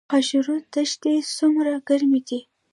خاشرود دښتې څومره ګرمې دي؟